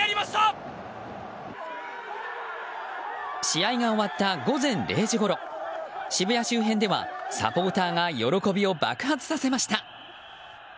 試合が終わった午前０時ごろ渋谷周辺ではサポーターが喜びを爆発させました。